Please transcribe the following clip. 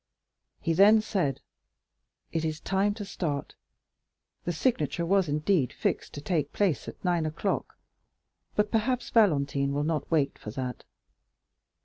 He then said, "It is time to start; the signature was indeed fixed to take place at nine o'clock, but perhaps Valentine will not wait for that."